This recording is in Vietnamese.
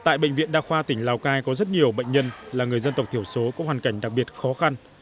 tại bệnh viện đa khoa tỉnh lào cai có rất nhiều bệnh nhân là người dân tộc thiểu số có hoàn cảnh đặc biệt khó khăn